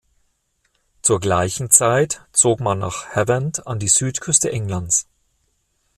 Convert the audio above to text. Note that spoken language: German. Zur gleichen Zeit zog man nach Havant an die Südküste Englands.